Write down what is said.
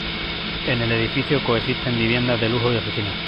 En el edificio coexisten viviendas de lujo y oficinas.